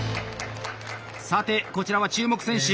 さてこちらは注目選手。